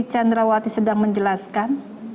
chandrawati sedang menjelaskan